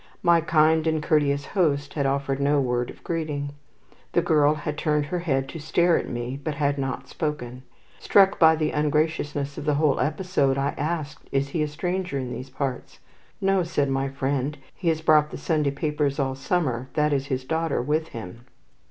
My kind and courteous host had offered no word of greeting. The girl had turned her head to stare at me, but had not spoken. Struck by the ungraciousness of the whole episode, I asked, "Is he a stranger in these parts?" "No," said my friend. "He has brought the Sunday papers all summer. That is his daughter with him."